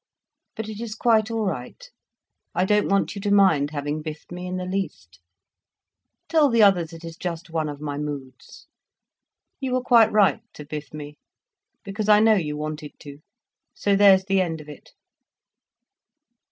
But it is quite all right—I don't want you to mind having biffed me, in the least. Tell the others it is just one of my moods. You were quite right, to biff me—because I know you wanted to. So there's the end of it.